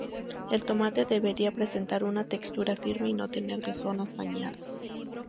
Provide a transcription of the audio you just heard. El tomate debería presentar una textura firme y no tener de zonas dañadas.